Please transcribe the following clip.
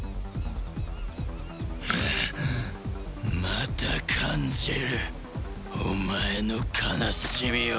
また感じるお前の悲しみを。